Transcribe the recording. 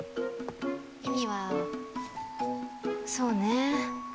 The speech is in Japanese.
意味はそうね